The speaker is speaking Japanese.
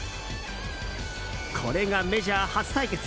これがメジャー初対決。